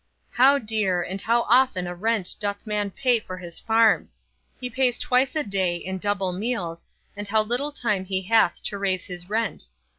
How dear, and how often a rent doth man pay for his farm! He pays twice a day, in double meals, and how little time he hath to raise his rent!